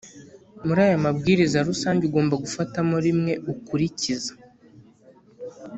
muri aya mabwiriza rusange ugomba gufatamo rimwe ukurikiza